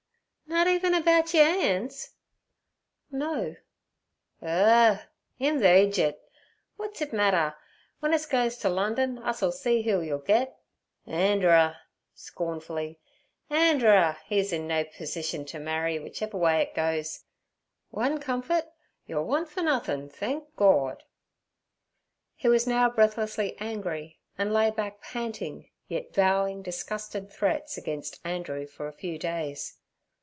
'Nut even about yer 'an's?' 'No.' 'Ur! 'im ther idjut. W'at's it matter? W'en us goes t' London, us'll see who ye'll get. Anderer!'—scornfully—'Anderer! 'e's in no pursition t' marry, w'ich ever way it goes. One comfort, yer'll want fer nothin', thenk Gord.' He was now breathlessly angry and lay back panting, yet vowing disgusted threats against Andrew for a few days.